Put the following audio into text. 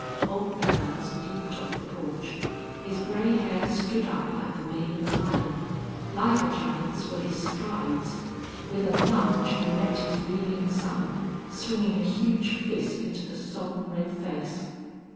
Old Belllounds leaped off the porch. His gray hair stood up like the mane of a lion. Like a giant's were his strides. With a lunge he met his reeling son, swinging a huge fist into the sodden red face.